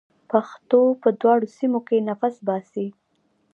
پښتو په دواړو سیمه کې نفس باسي.